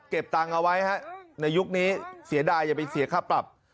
ตังค์เอาไว้ฮะในยุคนี้เสียดายอย่าไปเสียค่าปรับ